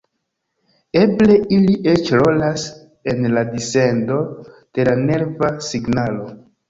Eble ili eĉ rolas en la dissendo de la nerva signalo.